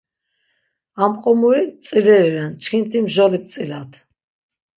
Am qomuri tzileri ren, çkinti mjoli ptzilat.